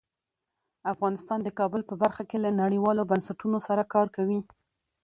افغانستان د کابل په برخه کې له نړیوالو بنسټونو سره کار کوي.